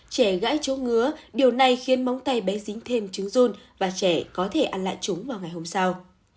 trẻ gãi chỗ ngứa điều này khiến móng tay bé dính thêm trứng dung và trẻ có thể ăn lại chúng vào ngày hôm sau